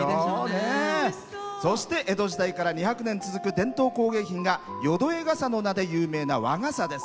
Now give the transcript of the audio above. そして、江戸時代から２００年続く伝統工芸品が淀江傘の名で有名な和傘です。